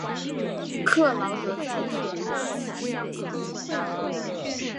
克劳德在田纳西乡下长大。